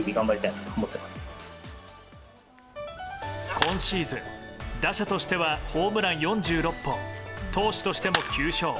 今シーズン打者としてはホームラン４６本投手としても９勝。